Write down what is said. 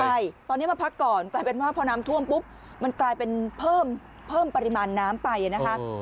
ใช่ตอนนี้มาพักก่อนกลายเป็นว่าพอน้ำท่วมปุ๊บมันกลายเป็นเพิ่มปริมาณน้ำไปนะคะ